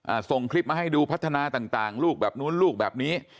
ส่งคลิปมาให้ดูพัฒนาต่างต่างลูกแบบนู้นลูกแบบนี้